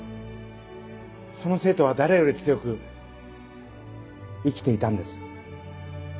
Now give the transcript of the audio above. その生徒は誰より強く生きていたんです。